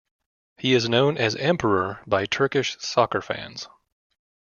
He is known as "emperor" by Turkish soccer fans.